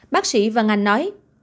bác sĩ vân anh nói